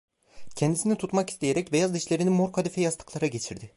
Kendisini tutmak isteyerek, beyaz dişlerini mor kadife yastıklara geçirdi…